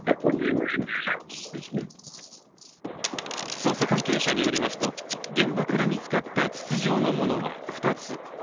捜査関係者によりますと現場から見つかった筒状のものは２つ。